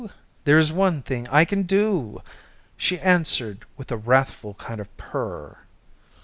"There is one thing I can do!" She answered with a wrathful kind of purr.